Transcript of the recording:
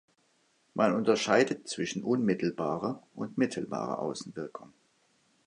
Man unterscheidet zwischen unmittelbarer und mittelbarer Außenwirkung.